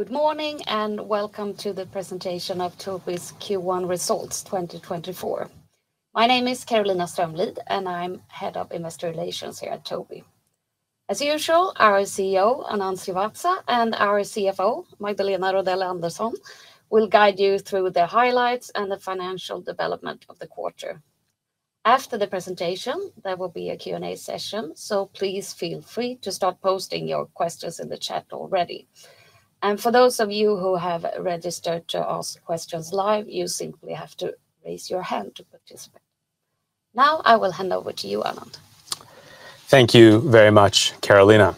Good morning, and welcome to the presentation of Tobii's Q1 Results 2024. My name is Carolina Strömlid, and I'm Head of Investor Relations here at Tobii. As usual, our CEO, Anand Srivatsa, and our CFO, Magdalena Rodell Andersson, will guide you through the highlights and the financial development of the quarter. After the presentation, there will be a Q&A session, so please feel free to start posting your questions in the chat already. For those of you who have registered to ask questions live, you simply have to raise your hand to participate. Now, I will hand over to you, Anand. Thank you very much, Carolina.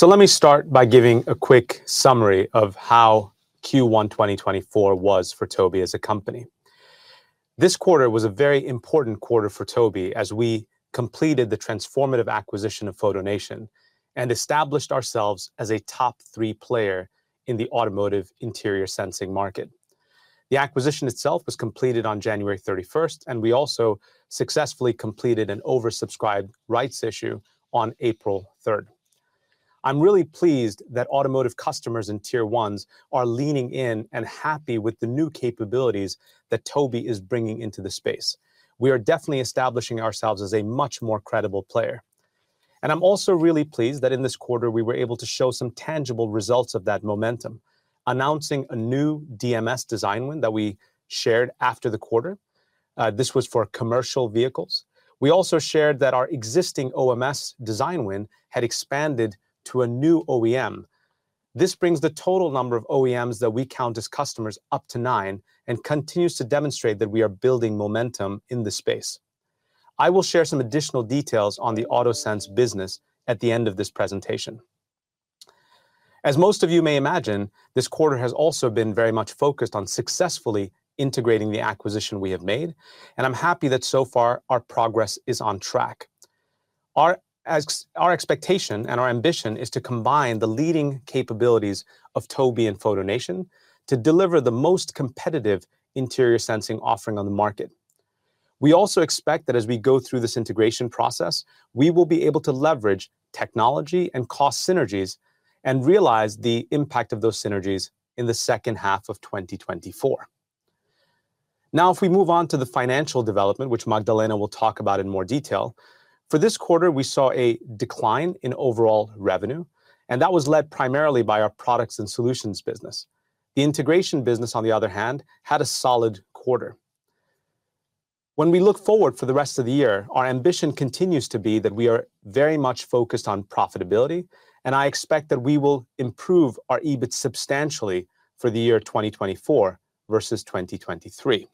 Let me start by giving a quick summary of how Q1 2024 was for Tobii as a company. This quarter was a very important quarter for Tobii as we completed the transformative acquisition of FotoNation, and established ourselves as a top three player in the automotive interior sensing market. The acquisition itself was completed on January 31st, and we also successfully completed an oversubscribed rights issue on April 3rd. I'm really pleased that automotive customers and Tier 1s are leaning in and happy with the new capabilities that Tobii is bringing into the space. We are definitely establishing ourselves as a much more credible player. I'm also really pleased that in this quarter, we were able to show some tangible results of that momentum, announcing a new DMS design win that we shared after the quarter. This was for commercial vehicles. We also shared that our existing OMS design win had expanded to a new OEM. This brings the total number of OEMs that we count as customers up to nine, and continues to demonstrate that we are building momentum in this space. I will share some additional details on the Autosense business at the end of this presentation. As most of you may imagine, this quarter has also been very much focused on successfully integrating the acquisition we have made, and I'm happy that so far our progress is on track. Our expectation and our ambition is to combine the leading capabilities of Tobii and FotoNation to deliver the most competitive interior sensing offering on the market. We also expect that as we go through this integration process, we will be able to leverage technology and cost synergies and realize the impact of those synergies in the second half of 2024. Now, if we move on to the financial development, which Magdalena will talk about in more detail, for this quarter, we saw a decline in overall revenue, and that was led primarily by our products and solutions business. The integration business, on the other hand, had a solid quarter. When we look forward for the rest of the year, our ambition continues to be that we are very much focused on profitability, and I expect that we will improve our EBIT substantially for the year 2024 versus 2023.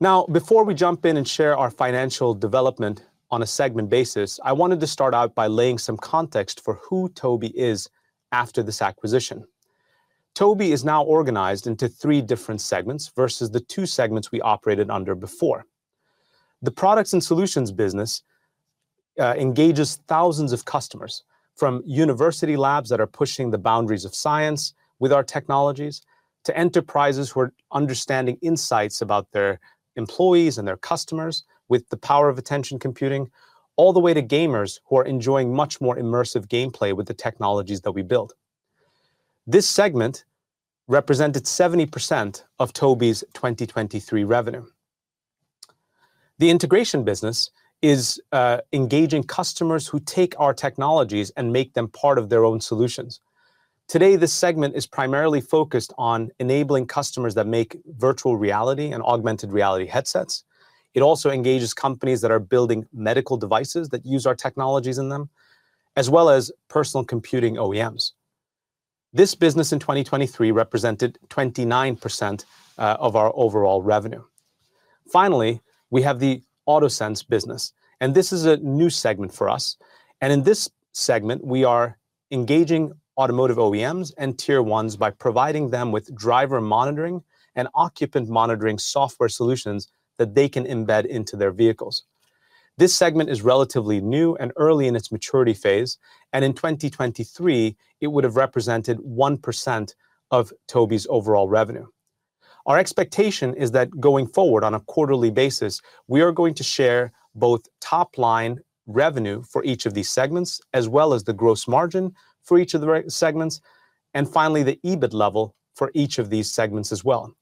Now, before we jump in and share our financial development on a segment basis, I wanted to start out by laying some context for who Tobii is after this acquisition. Tobii is now organized into three different segments versus the two segments we operated under before. The products and solutions business engages thousands of customers, from university labs that are pushing the boundaries of science with our technologies, to enterprises who are understanding insights about their employees and their customers with the power of attention computing, all the way to gamers who are enjoying much more immersive gameplay with the technologies that we build. This segment represented 70% of Tobii's 2023 revenue. The integration business is engaging customers who take our technologies and make them part of their own solutions. Today, this segment is primarily focused on enabling customers that make virtual reality and augmented reality headsets. It also engages companies that are building medical devices that use our technologies in them, as well as personal computing OEMs. This business in 2023 represented 29% of our overall revenue. Finally, we have the AutoSense business, and this is a new segment for us, and in this segment, we are engaging automotive OEMs and Tier 1s by providing them with driver monitoring and occupant monitoring software solutions that they can embed into their vehicles. This segment is relatively new and early in its maturity phase, and in 2023, it would have represented 1% of Tobii's overall revenue. Our expectation is that going forward on a quarterly basis, we are going to share both top-line revenue for each of these segments, as well as the gross margin for each of these segments, and finally, the EBIT level for each of these segments as well.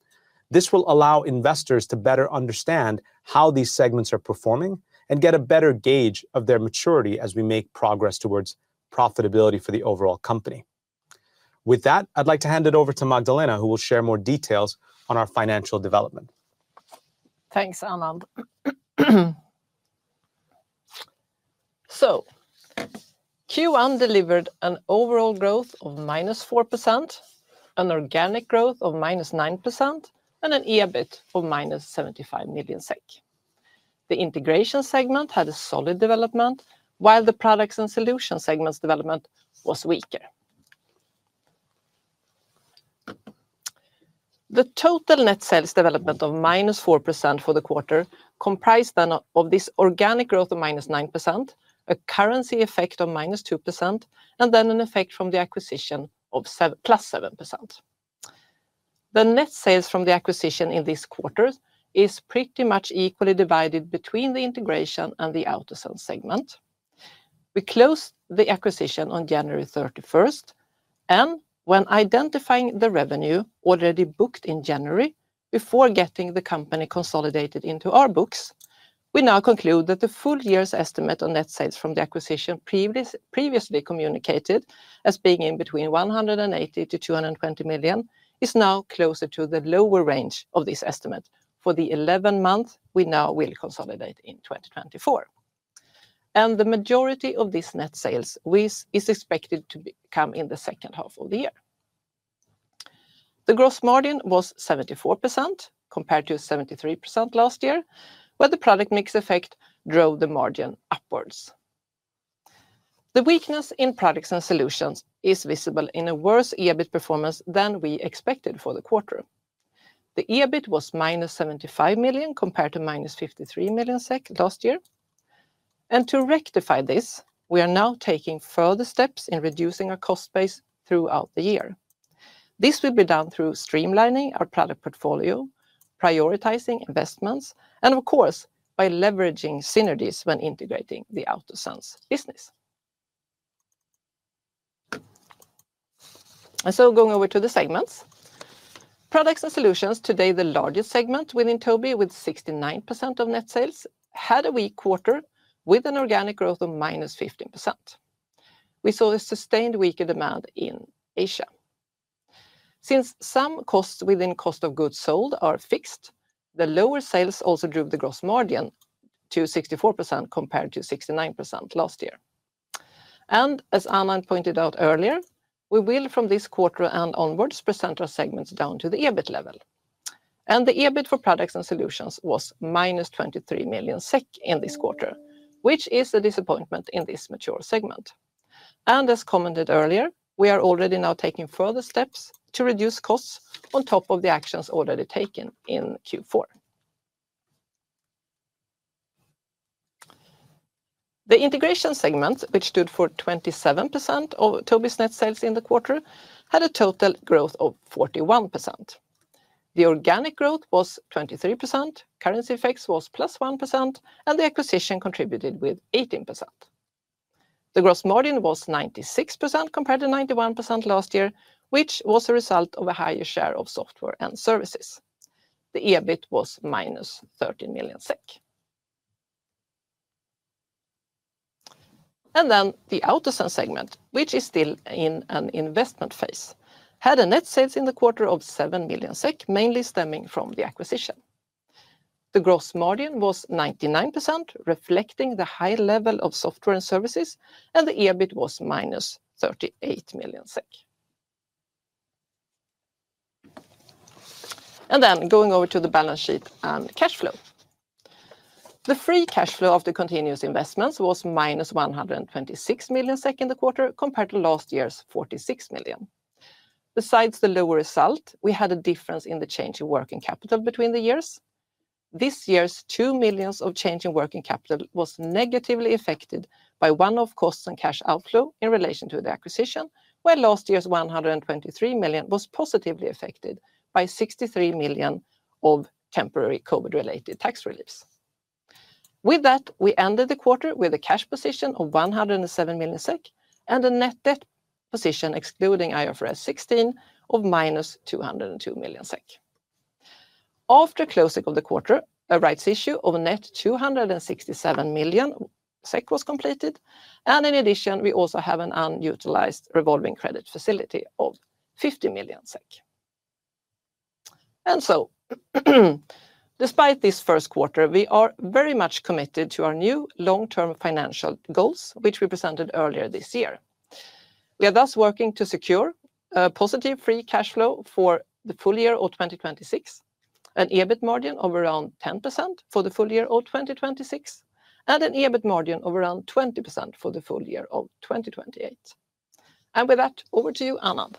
This will allow investors to better understand how these segments are performing and get a better gauge of their maturity as we make progress towards profitability for the overall company. With that, I'd like to hand it over to Magdalena, who will share more details on our financial development. Thanks, Anand. So Q1 delivered an overall growth of -4%, an organic growth of -9%, and an EBIT of -75 million SEK. The integration segment had a solid development, while the products and solutions segment's development was weaker. The total net sales development of -4% for the quarter comprised then of this organic growth of -9%, a currency effect of -2%, and then an effect from the acquisition of seven plus 7%. The net sales from the acquisition in this quarter is pretty much equally divided between the integration and the AutoSense segment. We closed the acquisition on January 31st, and when identifying the revenue already booked in January before getting the company consolidated into our books, we now conclude that the full year's estimate on net sales from the acquisition previously communicated as being in between 180 million-220 million is now closer to the lower range of this estimate for the 11 months we now will consolidate in 2024. The majority of this net sales is expected to become in the second half of the year. The gross margin was 74%, compared to 73% last year, where the product mix effect drove the margin upwards. The weakness in products and solutions is visible in a worse EBIT performance than we expected for the quarter. The EBIT was -75 million, compared to -53 million SEK last year. To rectify this, we are now taking further steps in reducing our cost base throughout the year. This will be done through streamlining our product portfolio, prioritizing investments, and of course, by leveraging synergies when integrating the AutoSense business. So going over to the segments. Products and Solutions, today, the largest segment within Tobii, with 69% of net sales, had a weak quarter with an organic growth of -15%. We saw a sustained weaker demand in Asia. Since some costs within cost of goods sold are fixed, the lower sales also drove the gross margin to 64%, compared to 69% last year. As Anand pointed out earlier, we will, from this quarter and onwards, present our segments down to the EBIT level. The EBIT for Products and Solutions was -23 million SEK in this quarter, which is a disappointment in this mature segment. As commented earlier, we are already now taking further steps to reduce costs on top of the actions already taken in Q4. The integration segment, which stood for 27% of Tobii's net sales in the quarter, had a total growth of 41%. The organic growth was 23%, currency effects was +1%, and the acquisition contributed with 18%. The gross margin was 96%, compared to 91% last year, which was a result of a higher share of software and services. The EBIT was -13 million SEK. Then the AutoSense segment, which is still in an investment phase, had a net sales in the quarter of 7 million SEK, mainly stemming from the acquisition. The gross margin was 99%, reflecting the high level of software and services, and the EBIT was -38 million SEK. Then going over to the balance sheet and cash flow. The free cash flow of the continuous investments was -126 million in the quarter, compared to last year's 46 million. Besides the lower result, we had a difference in the change in working capital between the years. This year's 2 million of change in working capital was negatively affected by one-off costs and cash outflow in relation to the acquisition, where last year's 123 million was positively affected by 63 million of temporary COVID-related tax reliefs. With that, we ended the quarter with a cash position of 107 million SEK and a net debt position, excluding IFRS 16, of -202 million SEK. After closing of the quarter, a rights issue of a net 267 million SEK was completed, and in addition, we also have an unutilized revolving credit facility of 50 million SEK. And so, despite this first quarter, we are very much committed to our new long-term financial goals, which we presented earlier this year. We are thus working to secure a positive free cash flow for the full year of 2026, an EBIT margin of around 10% for the full year of 2026, and an EBIT margin of around 20% for the full year of 2028. And with that, over to you, Anand.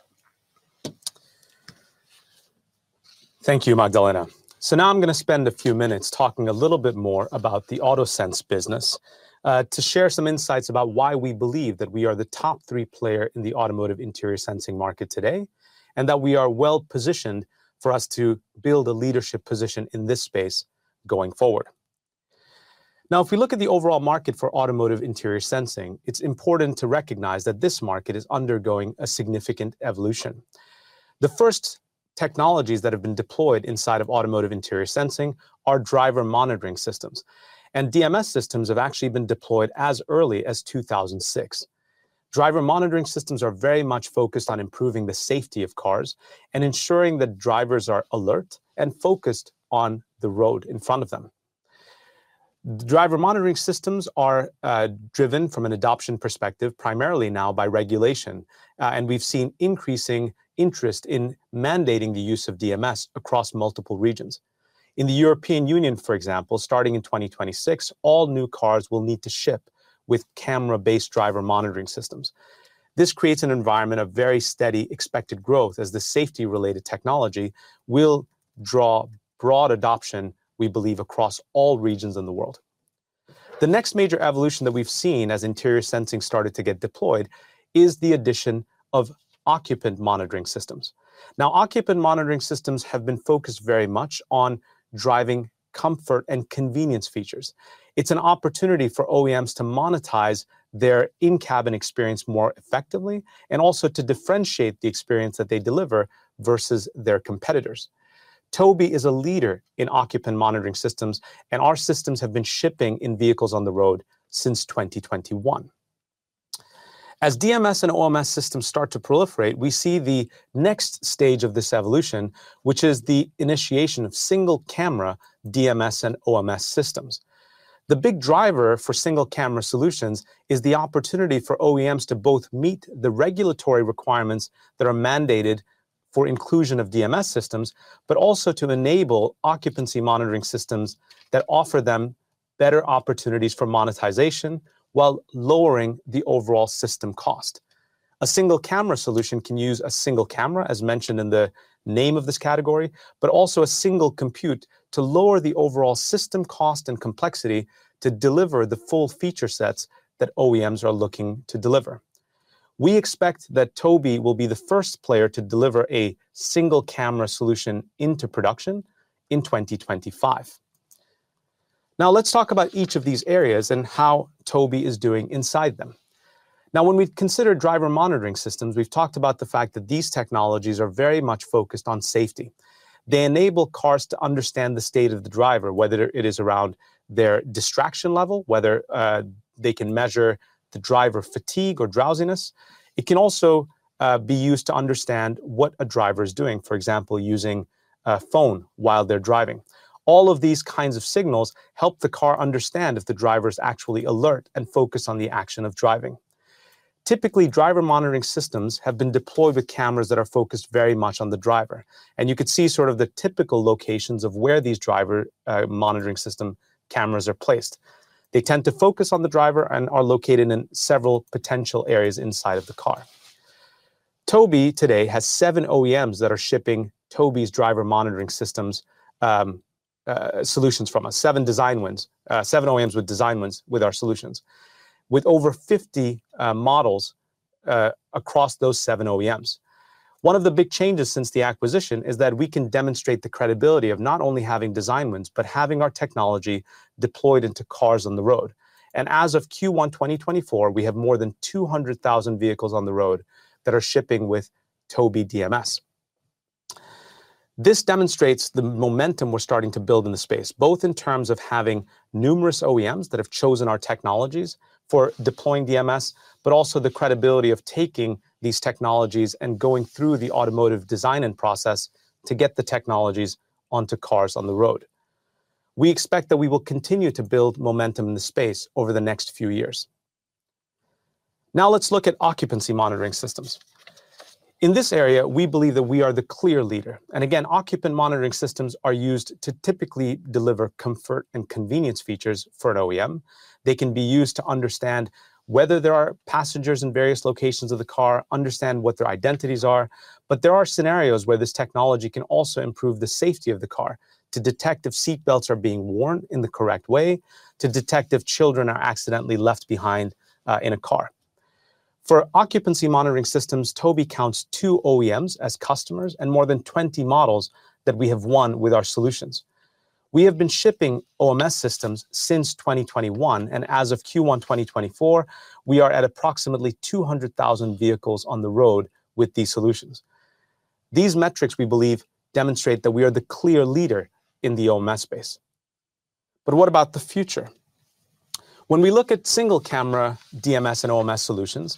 Thank you, Magdalena. So now I'm going to spend a few minutes talking a little bit more about the AutoSense business, to share some insights about why we believe that we are the top three player in the automotive interior sensing market today, and that we are well-positioned for us to build a leadership position in this space going forward. Now, if we look at the overall market for automotive interior sensing, it's important to recognize that this market is undergoing a significant evolution. The first technologies that have been deployed inside of automotive interior sensing are driver monitoring systems, and DMS systems have actually been deployed as early as 2006. Driver monitoring systems are very much focused on improving the safety of cars and ensuring that drivers are alert and focused on the road in front of them. Driver monitoring systems are driven from an adoption perspective, primarily now by regulation, and we've seen increasing interest in mandating the use of DMS across multiple regions. In the European Union, for example, starting in 2026, all new cars will need to ship with camera-based driver monitoring systems. This creates an environment of very steady expected growth as the safety-related technology will draw broad adoption, we believe, across all regions in the world.... The next major evolution that we've seen as interior sensing started to get deployed is the addition of occupant monitoring systems. Now, occupant monitoring systems have been focused very much on driving comfort and convenience features. It's an opportunity for OEMs to monetize their in-cabin experience more effectively, and also to differentiate the experience that they deliver versus their competitors. Tobii is a leader in occupant monitoring systems, and our systems have been shipping in vehicles on the road since 2021. As DMS and OMS systems start to proliferate, we see the next stage of this evolution, which is the initiation of single-camera DMS and OMS systems. The big driver for single-camera solutions is the opportunity for OEMs to both meet the regulatory requirements that are mandated for inclusion of DMS systems, but also to enable occupancy monitoring systems that offer them better opportunities for monetization while lowering the overall system cost. A single-camera solution can use a single camera, as mentioned in the name of this category, but also a single compute to lower the overall system cost and complexity to deliver the full feature sets that OEMs are looking to deliver. We expect that Tobii will be the first player to deliver a single-camera solution into production in 2025. Now, let's talk about each of these areas and how Tobii is doing inside them. Now, when we've considered driver monitoring systems, we've talked about the fact that these technologies are very much focused on safety. They enable cars to understand the state of the driver, whether it is around their distraction level, whether they can measure the driver fatigue or drowsiness. It can also be used to understand what a driver is doing, for example, using a phone while they're driving. All of these kinds of signals help the car understand if the driver is actually alert and focused on the action of driving. Typically, driver monitoring systems have been deployed with cameras that are focused very much on the driver, and you could see sort of the typical locations of where these driver monitoring system cameras are placed. They tend to focus on the driver and are located in several potential areas inside of the car. Tobii today has 7 OEMs that are shipping Tobii's driver monitoring systems solutions from us, 7 design wins, 7 OEMs with design wins with our solutions, with over 50 models across those 7 OEMs. One of the big changes since the acquisition is that we can demonstrate the credibility of not only having design wins, but having our technology deployed into cars on the road. And as of Q1 2024, we have more than 200,000 vehicles on the road that are shipping with Tobii DMS. This demonstrates the momentum we're starting to build in the space, both in terms of having numerous OEMs that have chosen our technologies for deploying DMS, but also the credibility of taking these technologies and going through the automotive design and process to get the technologies onto cars on the road. We expect that we will continue to build momentum in the space over the next few years. Now, let's look at occupant monitoring systems. In this area, we believe that we are the clear leader, and again, occupant monitoring systems are used to typically deliver comfort and convenience features for an OEM. They can be used to understand whether there are passengers in various locations of the car, understand what their identities are, but there are scenarios where this technology can also improve the safety of the car, to detect if seat belts are being worn in the correct way, to detect if children are accidentally left behind, in a car. For occupancy monitoring systems, Tobii counts two OEMs as customers and more than 20 models that we have won with our solutions. We have been shipping OMS systems since 2021, and as of Q1 2024, we are at approximately 200,000 vehicles on the road with these solutions. These metrics, we believe, demonstrate that we are the clear leader in the OMS space. But what about the future? When we look at single-camera DMS and OMS solutions,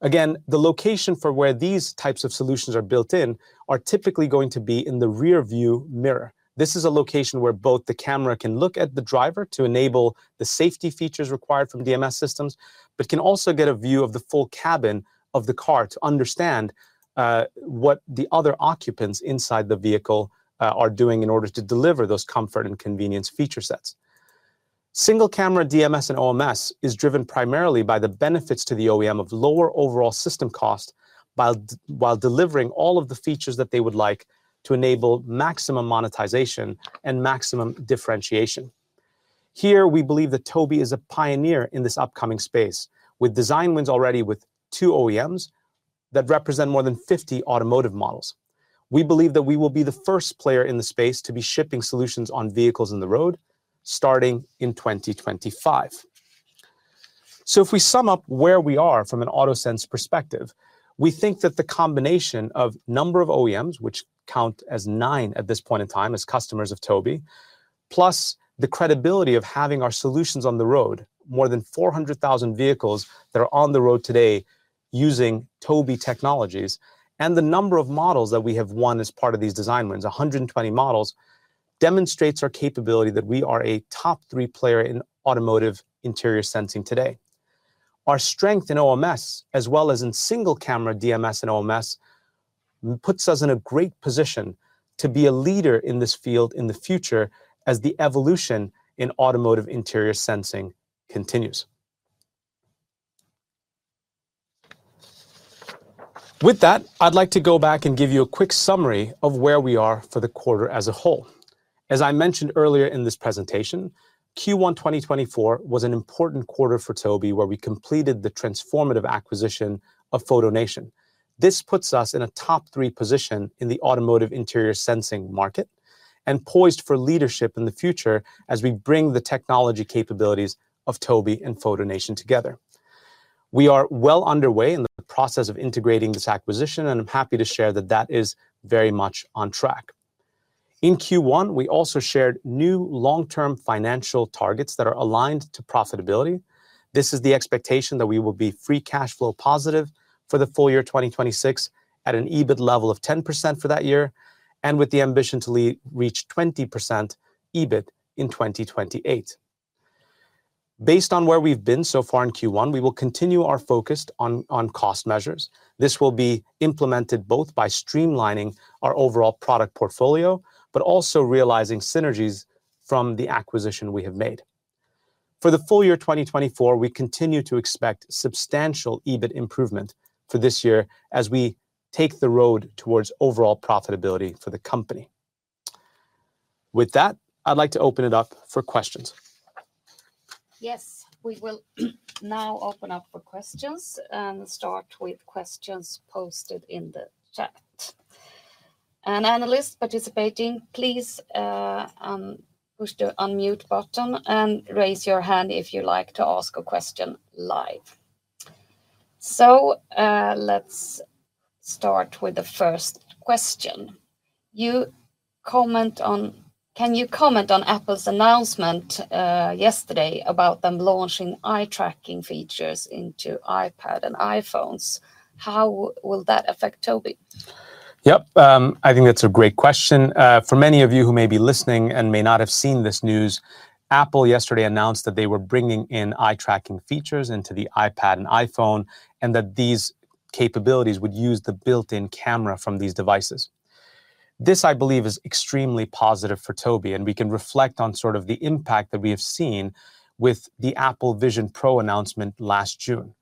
again, the location for where these types of solutions are built in are typically going to be in the rearview mirror. This is a location where both the camera can look at the driver to enable the safety features required from DMS systems, but can also get a view of the full cabin of the car to understand what the other occupants inside the vehicle are doing in order to deliver those comfort and convenience feature sets. Single-camera DMS and OMS is driven primarily by the benefits to the OEM of lower overall system cost, while delivering all of the features that they would like to enable maximum monetization and maximum differentiation. Here, we believe that Tobii is a pioneer in this upcoming space, with design wins already with two OEMs that represent more than 50 automotive models. We believe that we will be the first player in the space to be shipping solutions on vehicles on the road, starting in 2025. So if we sum up where we are from an AutoSense perspective, we think that the combination of number of OEMs, which count as 9 at this point in time as customers of Tobii, plus the credibility of having our solutions on the road, more than 400,000 vehicles that are on the road today using Tobii technologies, and the number of models that we have won as part of these design wins, 120 models, demonstrates our capability that we are a top 3 player in automotive interior sensing today. Our strength in OMS, as well as in single-camera DMS and OMS, puts us in a great position to be a leader in this field in the future as the evolution in automotive interior sensing continues.... With that, I'd like to go back and give you a quick summary of where we are for the quarter as a whole. As I mentioned earlier in this presentation, Q1 2024 was an important quarter for Tobii, where we completed the transformative acquisition of FotoNation. This puts us in a top three position in the automotive interior sensing market, and poised for leadership in the future as we bring the technology capabilities of Tobii and FotoNation together. We are well underway in the process of integrating this acquisition, and I'm happy to share that that is very much on track. In Q1, we also shared new long-term financial targets that are aligned to profitability. This is the expectation that we will be free cash flow positive for the full year 2026, at an EBIT level of 10% for that year, and with the ambition to reach 20% EBIT in 2028. Based on where we've been so far in Q1, we will continue our focus on cost measures. This will be implemented both by streamlining our overall product portfolio, but also realizing synergies from the acquisition we have made. For the full year 2024, we continue to expect substantial EBIT improvement for this year as we take the road towards overall profitability for the company. With that, I'd like to open it up for questions. Yes, we will now open up for questions, and start with questions posted in the chat. And analysts participating, please, push the unmute button and raise your hand if you'd like to ask a question live. So, let's start with the first question. Can you comment on Apple's announcement, yesterday, about them launching eye tracking features into iPad and iPhones? How will that affect Tobii? Yep, I think that's a great question. For many of you who may be listening and may not have seen this news, Apple yesterday announced that they were bringing in eye tracking features into the iPad and iPhone, and that these capabilities would use the built-in camera from these devices. This, I believe, is extremely positive for Tobii, and we can reflect on sort of the impact that we have seen with the Apple Vision Pro announcement last June.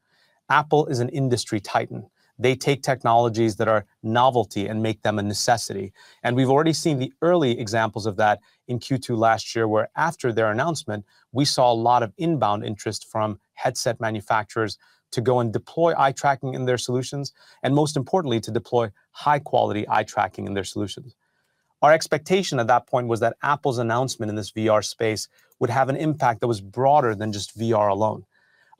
Apple is an industry titan. They take technologies that are novelty and make them a necessity, and we've already seen the early examples of that in Q2 last year, where after their announcement, we saw a lot of inbound interest from headset manufacturers to go and deploy eye tracking in their solutions, and most importantly, to deploy high-quality eye tracking in their solutions. Our expectation at that point was that Apple's announcement in this VR space would have an impact that was broader than just VR alone.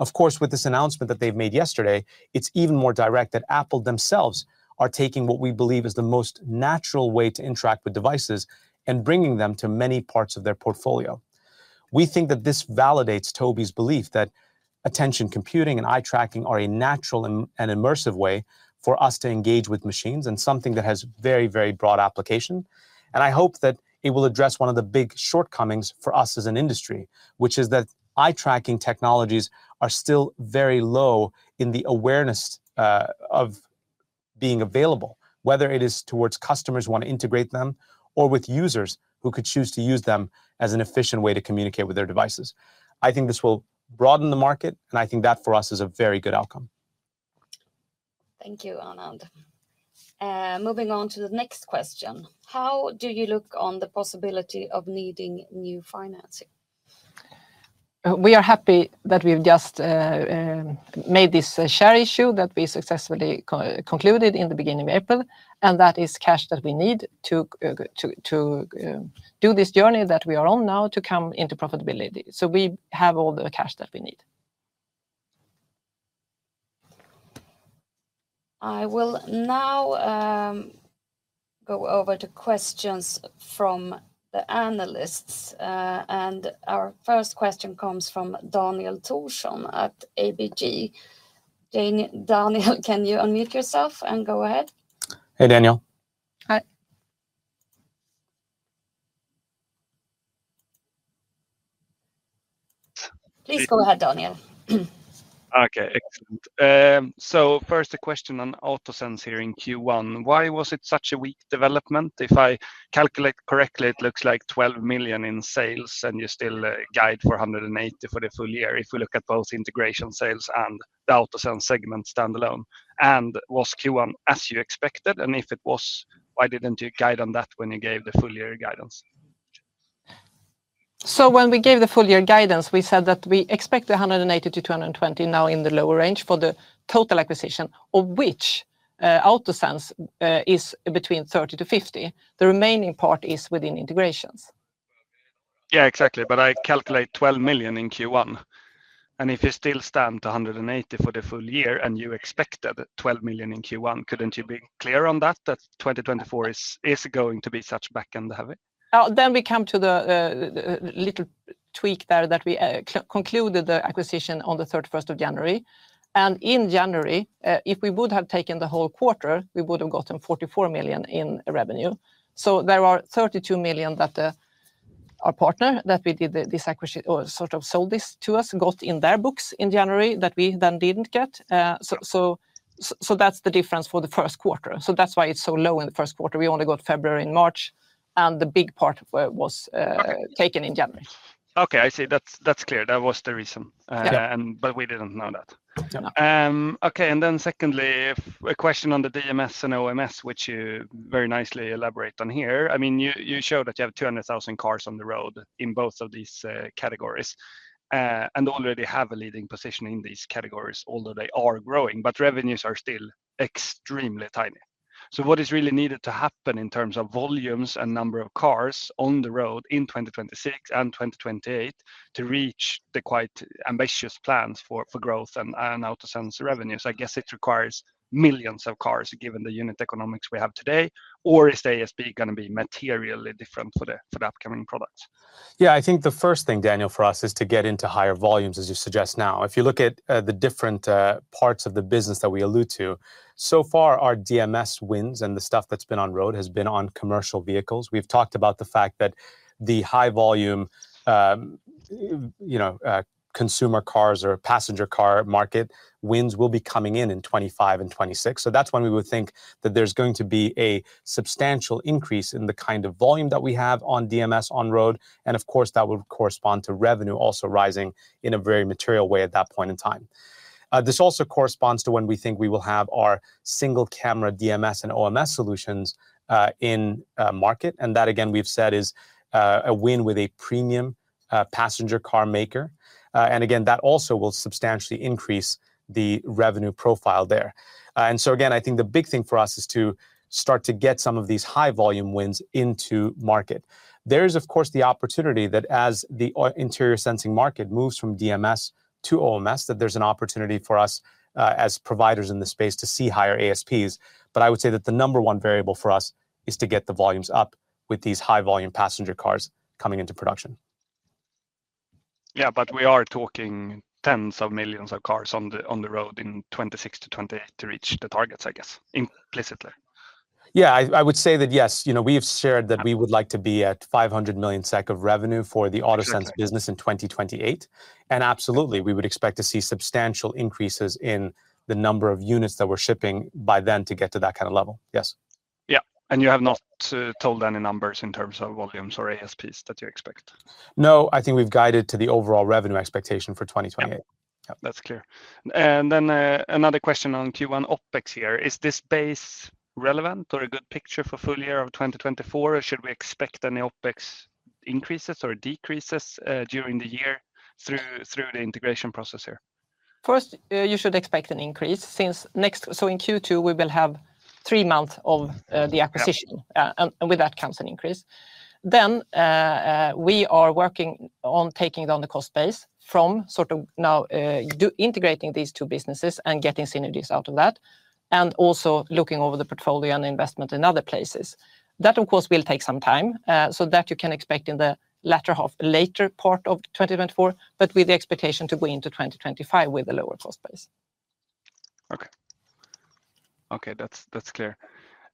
Of course, with this announcement that they've made yesterday, it's even more direct that Apple themselves are taking what we believe is the most natural way to interact with devices, and bringing them to many parts of their portfolio. We think that this validates Tobii's belief that attention computing and eye tracking are a natural and, and immersive way for us to engage with machines, and something that has very, very broad application. And I hope that it will address one of the big shortcomings for us as an industry, which is that eye tracking technologies are still very low in the awareness of being available. Whether it is towards customers who want to integrate them, or with users who could choose to use them as an efficient way to communicate with their devices. I think this will broaden the market, and I think that, for us, is a very good outcome. Thank you, Anand. Moving on to the next question: How do you look on the possibility of needing new financing? We are happy that we've just made this share issue that we successfully concluded in the beginning of April, and that is cash that we need to do this journey that we are on now to come into profitability. So we have all the cash that we need. I will now go over to questions from the analysts, and our first question comes from Daniel Thorsson at ABG. Daniel, can you unmute yourself and go ahead? Hey, Daniel. Hi. Please go ahead, Daniel. Okay, excellent. So first, a question on AutoSense here in Q1. Why was it such a weak development? If I calculate correctly, it looks like 12 million in sales, and you still guide for 180 million for the full year, if we look at both integration sales and the AutoSense segment standalone. And was Q1 as you expected? And if it was, why didn't you guide on that when you gave the full-year guidance? When we gave the full-year guidance, we said that we expect 180-220, now in the lower range, for the total acquisition, of which, AutoSense, is between 30-50. The remaining part is within integrations. Yeah, exactly, but I calculate 12 million in Q1, and if you still stand at 180 million for the full year, and you expected 12 million in Q1, couldn't you be clear on that, that 2024 is, is going to be such back-end heavy? Then we come to the, the little tweak there, that we concluded the acquisition on the 31st of January. And in January, if we would have taken the whole quarter, we would have gotten 44 million in revenue. So there are 32 million that our partner, that we did this acquisition or sort of sold this to us, got in their books in January, that we then didn't get. So, so that's the difference for the first quarter, so that's why it's so low in the first quarter. We only got February and March, and the big part of it was taken in January. Okay, I see. That's, that's clear. That was the reason. Yeah. But we didn't know that. Yeah. Okay, and then secondly, a question on the DMS and OMS, which you very nicely elaborate on here. I mean, you show that you have 200,000 cars on the road in both of these categories, and already have a leading position in these categories, although they are growing, but revenues are still extremely tiny. So what is really needed to happen in terms of volumes and number of cars on the road in 2026 and 2028 to reach the quite ambitious plans for growth and AutoSense revenues? I guess it requires millions of cars, given the unit economics we have today, or is the ASP gonna be materially different for the upcoming products? Yeah, I think the first thing, Daniel, for us, is to get into higher volumes, as you suggest now. If you look at, the different, parts of the business that we allude to, so far, our DMS wins and the stuff that's been on road has been on commercial vehicles. We've talked about the fact that the high volume, you know, consumer cars or passenger car market wins will be coming in in 2025 and 2026. So that's when we would think that there's going to be a substantial increase in the kind of volume that we have on DMS on road, and of course, that will correspond to revenue also rising in a very material way at that point in time. This also corresponds to when we think we will have our single-camera DMS and OMS solutions in market, and that, again, we've said is a win with a premium passenger car maker. And again, that also will substantially increase the revenue profile there. And so again, I think the big thing for us is to start to get some of these high-volume wins into market. There is, of course, the opportunity that as the interior sensing market moves from DMS to OMS, that there's an opportunity for us, as providers in the space to see higher ASPs. But I would say that the number one variable for us is to get the volumes up with these high-volume passenger cars coming into production. Yeah, but we are talking tens of millions of cars on the, on the road in 2026 to 2028 to reach the targets, I guess, implicitly. Yeah, I would say that, yes. You know, we have shared that we would like to be at 500 million SEK SEK of revenue for the AutoSense- Okay... business in 2028. Absolutely, we would expect to see substantial increases in the number of units that we're shipping by then to get to that kind of level. Yes. Yeah, and you have not told any numbers in terms of volumes or ASPs that you expect? No, I think we've guided to the overall revenue expectation for 2028. Yeah. Yeah. That's clear. And then, another question on Q1 OpEx here. Is this base relevant or a good picture for full year of 2024, or should we expect any OpEx increases or decreases during the year through the integration process here? First, you should expect an increase, since next... So in Q2, we will have three month of the acquisition- Yeah... and with that comes an increase. Then, we are working on taking down the cost base from sort of now, integrating these two businesses and getting synergies out of that, and also looking over the portfolio and investment in other places. That, of course, will take some time. So that you can expect in the latter half, later part of 2024, but with the expectation to go into 2025 with a lower cost base. Okay. Okay, that's, that's clear.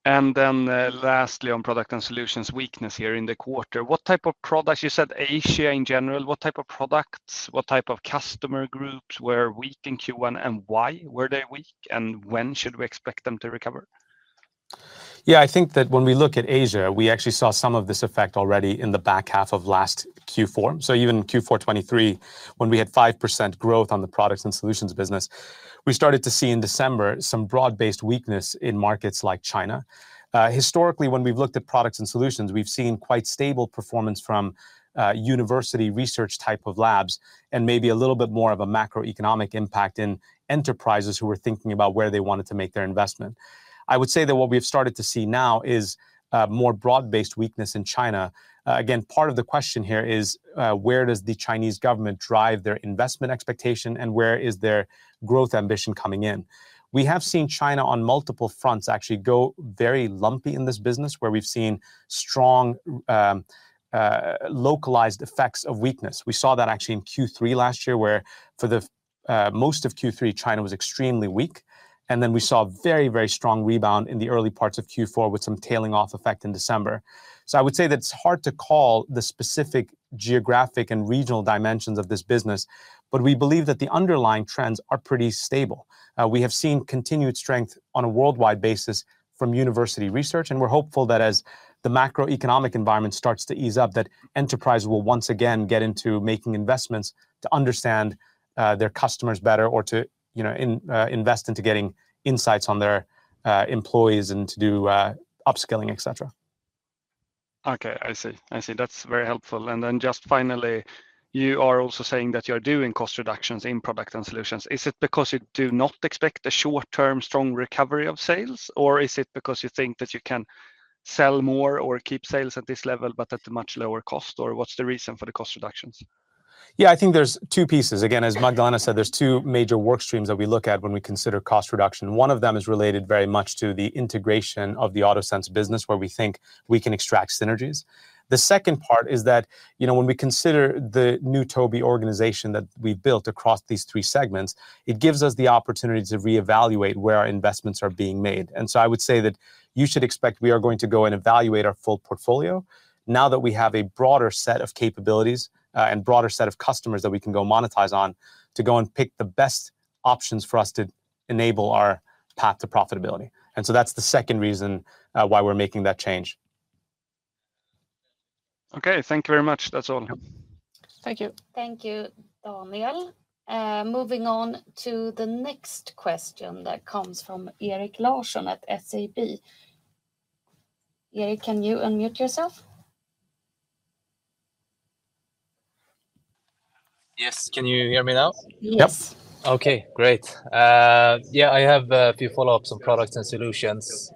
And then, lastly, on Products and Solutions weakness here in the quarter, what type of products...? You said Asia in general. What type of products, what type of customer groups were weak in Q1, and why were they weak, and when should we expect them to recover? Yeah, I think that when we look at Asia, we actually saw some of this effect already in the back half of last Q4. So even Q4 2023, when we had 5% growth on the Products and Solutions business, we started to see in December some broad-based weakness in markets like China. Historically, when we've looked at Products and Solutions, we've seen quite stable performance from university research type of labs, and maybe a little bit more of a macroeconomic impact in enterprises who were thinking about where they wanted to make their investment. I would say that what we've started to see now is more broad-based weakness in China. Again, part of the question here is where does the Chinese government drive their investment expectation, and where is their growth ambition coming in? We have seen China, on multiple fronts, actually go very lumpy in this business, where we've seen strong, localized effects of weakness. We saw that actually in Q3 last year, where for the, most of Q3, China was extremely weak, and then we saw a very, very strong rebound in the early parts of Q4, with some tailing-off effect in December. So I would say that it's hard to call the specific geographic and regional dimensions of this business, but we believe that the underlying trends are pretty stable. We have seen continued strength on a worldwide basis from university research, and we're hopeful that as the macroeconomic environment starts to ease up, that enterprise will once again get into making investments to understand their customers better or to, you know, invest into getting insights on their employees and to do upskilling, et cetera. Okay, I see. I see. That's very helpful. And then just finally, you are also saying that you're doing cost reductions in Products and Solutions. Is it because you do not expect a short-term strong recovery of sales, or is it because you think that you can sell more or keep sales at this level but at a much lower cost, or what's the reason for the cost reductions? Yeah, I think there's two pieces. Again, as Magdalena said, there's two major work streams that we look at when we consider cost reduction. One of them is related very much to the integration of the AutoSense business, where we think we can extract synergies. The second part is that, you know, when we consider the new Tobii organization that we've built across these three segments, it gives us the opportunity to reevaluate where our investments are being made. And so I would say that you should expect we are going to go and evaluate our full portfolio now that we have a broader set of capabilities, and broader set of customers that we can go monetize on, to go and pick the best options for us to enable our path to profitability. And so that's the second reason why we're making that change. Okay, thank you very much. That's all. Thank you. Thank you, Daniel. Moving on to the next question that comes from Erik Larsson at SEB. Erik, can you unmute yourself? Yes. Can you hear me now? Yes. Yep. Okay, great. Yeah, I have a few follow-ups on Products and Solutions.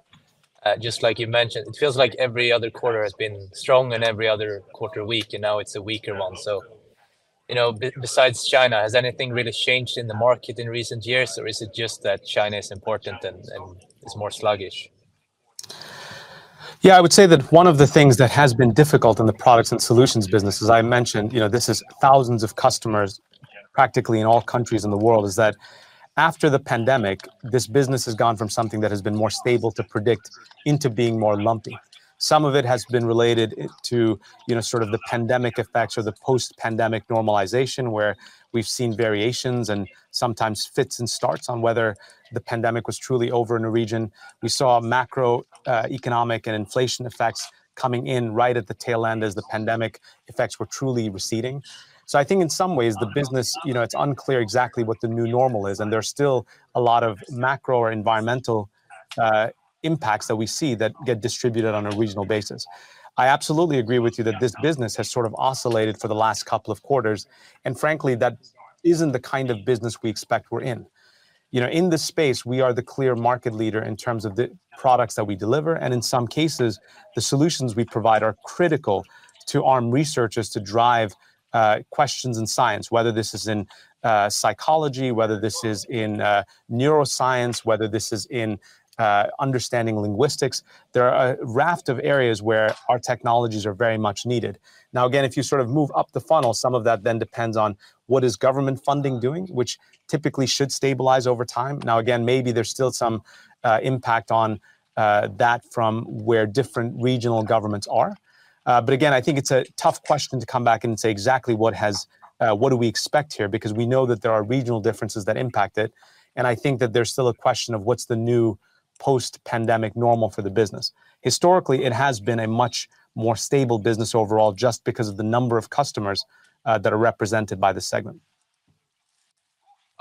Just like you mentioned, it feels like every other quarter has been strong and every other quarter weak, and now it's a weaker one. So, you know, besides China, has anything really changed in the market in recent years, or is it just that China is important and it's more sluggish? Yeah, I would say that one of the things that has been difficult in the products and solutions business, as I mentioned, you know, this is thousands of customers, practically in all countries in the world, is that after the pandemic, this business has gone from something that has been more stable to predict into being more lumpy. Some of it has been related to, you know, sort of the pandemic effects or the post-pandemic normalization, where we've seen variations and sometimes fits and starts on whether the pandemic was truly over in a region. We saw macroeconomic and inflation effects coming in right at the tail end as the pandemic effects were truly receding. So I think in some ways, the business—you know, it's unclear exactly what the new normal is, and there's still a lot of macro or environmental impacts that we see that get distributed on a regional basis. I absolutely agree with you that this business has sort of oscillated for the last couple of quarters, and frankly, that isn't the kind of business we expect we're in. You know, in this space, we are the clear market leader in terms of the products that we deliver, and in some cases, the solutions we provide are critical to arm researchers to drive questions in science, whether this is in psychology, whether this is in neuroscience, whether this is in understanding linguistics. There are a raft of areas where our technologies are very much needed. Now, again, if you sort of move up the funnel, some of that then depends on what is government funding doing, which typically should stabilize over time. Now, again, maybe there's still some impact on that from where different regional governments are. But again, I think it's a tough question to come back and say exactly what do we expect here? Because we know that there are regional differences that impact it, and I think that there's still a question of what's the new post-pandemic normal for the business. Historically, it has been a much more stable business overall, just because of the number of customers that are represented by this segment.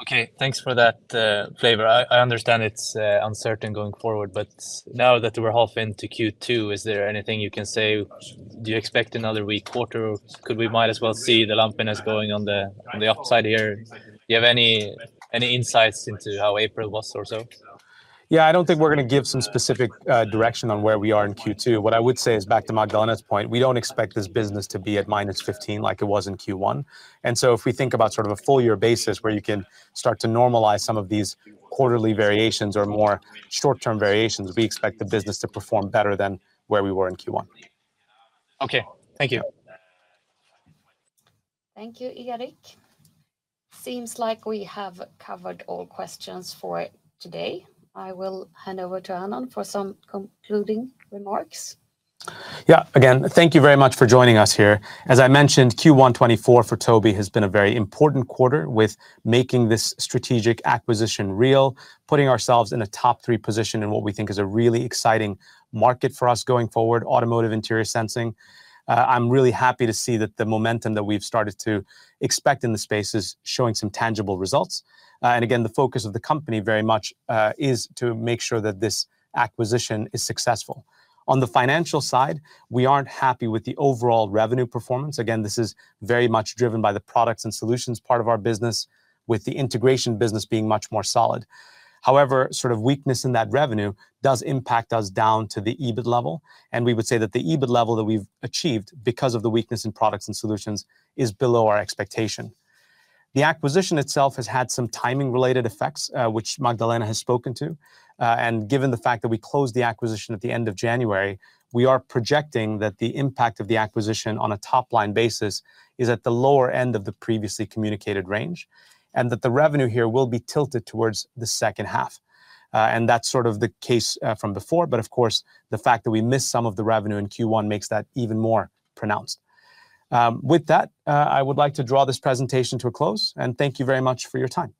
Okay, thanks for that, flavor. I understand it's uncertain going forward, but now that we're half into Q2, is there anything you can say? Do you expect another weak quarter, or could we might as well see the lumpiness going on the, on the upside here? Do you have any insights into how April was or so? Yeah, I don't think we're going to give some specific direction on where we are in Q2. What I would say is back to Magdalena's point, we don't expect this business to be at -15 like it was in Q1. And so if we think about sort of a full year basis, where you can start to normalize some of these quarterly variations or more short-term variations, we expect the business to perform better than where we were in Q1. Okay, thank you. Thank you, Erik. Seems like we have covered all questions for today. I will hand over to Anand for some concluding remarks. Yeah. Again, thank you very much for joining us here. As I mentioned, Q1 2024 for Tobii has been a very important quarter with making this strategic acquisition real, putting ourselves in a top three position in what we think is a really exciting market for us going forward, automotive interior sensing. I'm really happy to see that the momentum that we've started to expect in the space is showing some tangible results. And again, the focus of the company very much is to make sure that this acquisition is successful. On the financial side, we aren't happy with the overall revenue performance. Again, this is very much driven by the products and solutions part of our business, with the integration business being much more solid. However, sort of weakness in that revenue does impact us down to the EBIT level, and we would say that the EBIT level that we've achieved because of the weakness in products and solutions, is below our expectation. The acquisition itself has had some timing-related effects, which Magdalena has spoken to. Given the fact that we closed the acquisition at the end of January, we are projecting that the impact of the acquisition on a top-line basis is at the lower end of the previously communicated range, and that the revenue here will be tilted towards the second half. That's sort of the case from before, but of course, the fact that we missed some of the revenue in Q1 makes that even more pronounced. With that, I would like to draw this presentation to a close, and thank you very much for your time.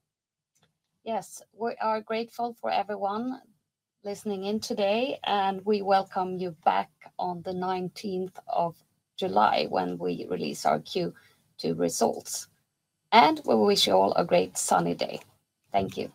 Yes, we are grateful for everyone listening in today, and we welcome you back on the nineteenth of July when we release our Q2 results. We wish you all a great sunny day. Thank you.